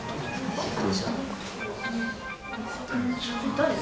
誰？